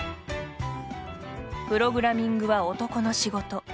プログラミングは男の仕事。